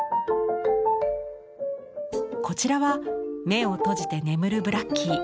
こちらは目を閉じて眠るブラッキー。